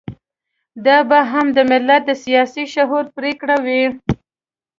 دا به هم د ملت د سياسي شعور پرېکړه وي.